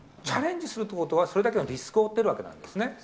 チャレンジするっていうことは、それだけのリスクを負ってるわけなんですね。